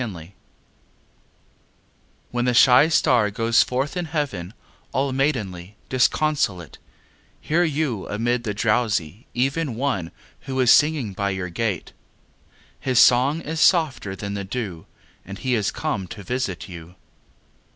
IV When the shy star goes forth in heaven All maidenly, disconsolate, Hear you amid the drowsy even One who is singing by your gate. His song is softer than the dew And he is come to visit you.